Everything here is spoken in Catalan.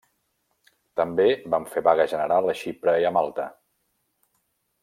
També van fer vaga general a Xipre i a Malta.